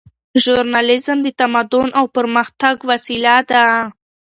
ژورنالیزم د تمدن او پرمختګ وسیله ده.